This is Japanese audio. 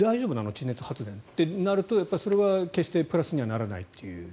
地熱発電ってなるとそれは決してプラスにはならないという。